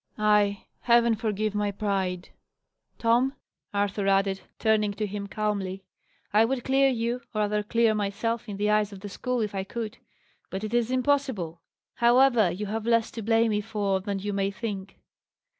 "Ay! Heaven forgive my pride, Tom!" Arthur added, turning to him calmly. "I would clear you or rather clear myself in the eyes of the school, if I could: but it is impossible. However, you have less to blame me for than you may think."